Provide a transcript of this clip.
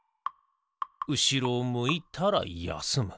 うしろを向いたらやすむ。